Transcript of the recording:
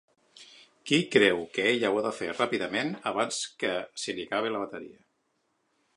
Key creu que ella ho ha de fer ràpidament abans que se li acabi la bateria.